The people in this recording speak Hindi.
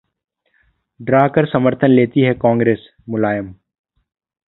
डराकर समर्थन लेती है कांग्रेस: मुलायम